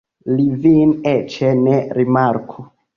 Li vin eĉ ne rimarku.